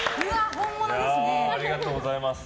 本物ですね。